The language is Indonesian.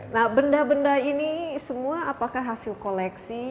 nah benda benda ini semua apakah hasil koleksi